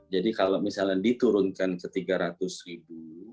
jadi kalau misalnya diturunkan ke rp tiga ratus